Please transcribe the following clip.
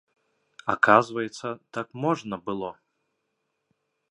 Аказваецца, так можна было!